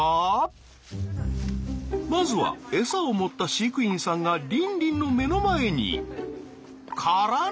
まずは餌を持った飼育員さんがリンリンの目の前に。からの。